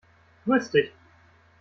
Grüß dich!